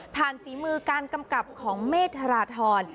ผ่านฝีมือการกำกลับของเมฏธรธร